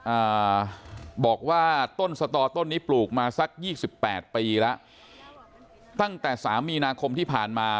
อ่าบอกว่าต้นสตอต้นนี้ปลูกมาสักยี่สิบแปดปีแล้วตั้งแต่สามมีนาคมที่ผ่านมา